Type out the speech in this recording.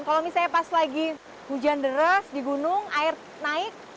kalau misalnya pas lagi hujan deras di gunung air naik